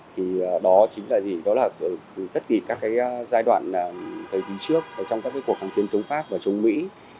thì đó chính là gì đó là tất kỳ các giai đoạn thời kỳ trước trong các cuộc kháng chiến chống pháp và chống mỹ